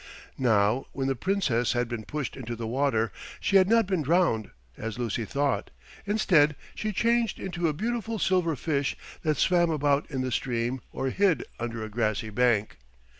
Now when the Princess had been pushed into the water she had not been drowned, as Lucy thought. Instead she changed into a beautiful silver fish that swam about in the stream or hid under a grassy bank.